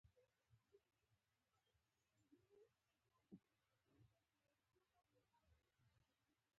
همدغه ځای ورښیې.